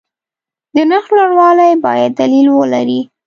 د نرخ لوړوالی باید دلیل ولري.